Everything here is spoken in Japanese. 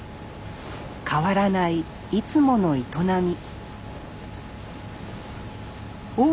変わらないいつもの営み。